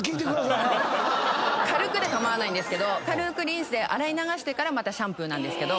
軽くで構わないんですけど軽ーくリンスで洗い流してからまたシャンプーなんですけど。